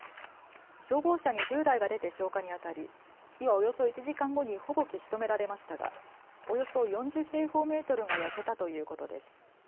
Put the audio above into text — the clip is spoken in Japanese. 消防車２０台が出て消火にあたり火はおよそ１時間後にほぼ消し止められましたがおよそ４０平方メートルが焼けたということです。